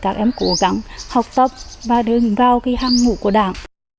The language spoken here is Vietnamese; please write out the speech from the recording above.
các em cố gắng học tập và đưa vào cái hâm ngụ của đảng